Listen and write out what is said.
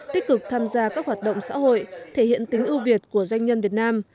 tích cực tham gia các hoạt động xã hội thể hiện tính ưu việt của doanh nhân việt nam